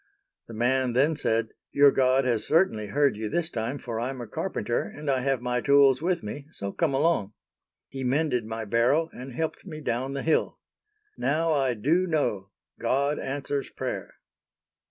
The man then said, "Your God has certainly heard you this time for I'm a carpenter and I have my tools with me, so come along." He mended my barrow and helped me down the hill. _Now I do know God answers prayer.